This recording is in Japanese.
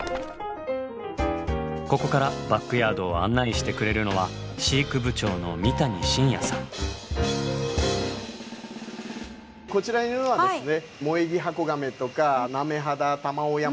ここからバックヤードを案内してくれるのは飼育部長のこちらにいるのはですね